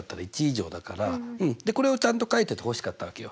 でこれをちゃんと書いててほしかったわけよ。